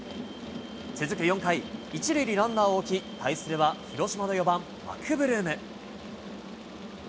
続く４回、１塁にランナーを置き、対するは広島の４番マクブルーム。